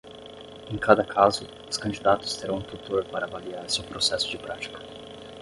Em cada caso, os candidatos terão um tutor para avaliar seu processo de prática.